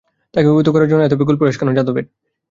তাকে অভিভূত করার জন্য এত ব্যাকুল প্রয়াস কেন যাদবের?